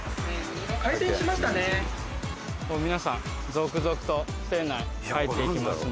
皆さん続々と店内へ入っていきますね。